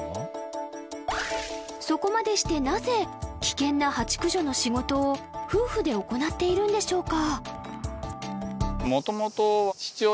そこまでしてなぜ危険なハチ駆除の仕事を夫婦で行っているんでしょうか？